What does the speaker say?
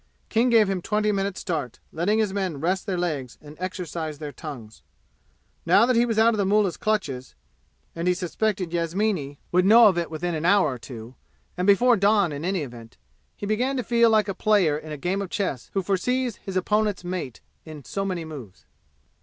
King gave him twenty minutes start, letting his men rest their legs and exercise their tongues. Now that he was out of the mullah's clutches and he suspected Yasmini would know of it within an hour or two, and before dawn in any event he began to feel like a player in a game of chess who foresees his opponent mate in so many moves.